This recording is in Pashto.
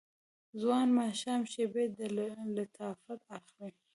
ځوان ماښام شیبې د لطافت اخلي